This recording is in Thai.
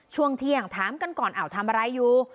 ช่วงเที่ยงถามกันก่อนทำอะไรอยู่